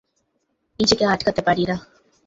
নিজেকে আটকাতে পারিনা।